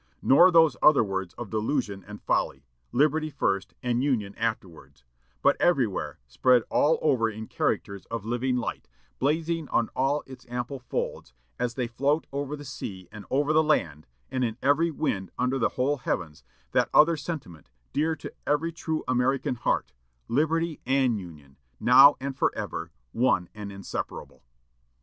Nor those other words of delusion and folly, Liberty first, and Union afterwards but everywhere, spread all over in characters of living light, blazing on all its ample folds, as they float over the sea and over the land, and in every wind under the whole heavens, that other sentiment, dear to every true American heart Liberty and Union, now and forever, one and inseparable!"